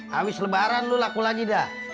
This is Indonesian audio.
habis lebaran lu laku lagi dah